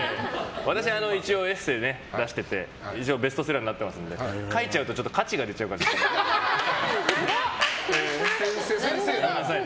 私は一応、エッセー出してて一応ベストセラーになってますので書いちゃうと価値が出ちゃうかもしれないので。